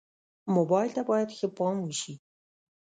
موبایل ته باید ښه پام وشي.